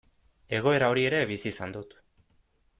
Egoera hori ere bizi izan dut.